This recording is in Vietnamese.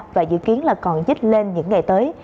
và dự kiến là còn dích lên những ngày tới